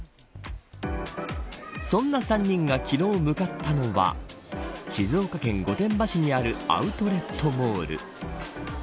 そんな３人が昨日、向かったのは静岡県御殿場市にあるアウトレットモール。